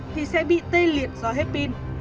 thì sẽ bị tê liệt do hết pin